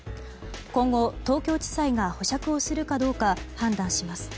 今後、東京地裁が保釈をするかどうか判断します。